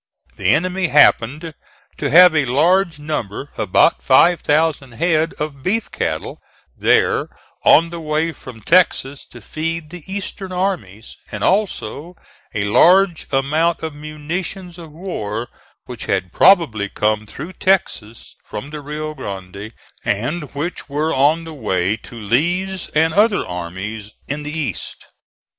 The enemy happened to have a large number, about 5,000 head, of beef cattle there on the way from Texas to feed the Eastern armies, and also a large amount of munitions of war which had probably come through Texas from the Rio Grande and which were on the way to Lee's and other armies in the East.